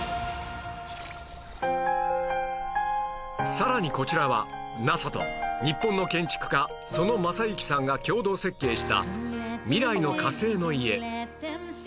さらにこちらは ＮＡＳＡ と日本の建築家曽野正之さんが共同設計した未来の火星の家